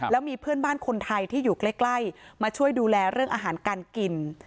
แล้วมีเพื่อนบ้านคนไทยที่อยู่ใกล้มาช่วยดูแลเรื่องอาหารการกิน